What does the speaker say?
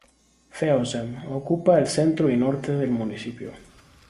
Feozem: ocupa el centro y norte del municipio.